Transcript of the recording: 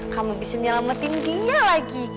kamu bisa nyelamatin dia lagi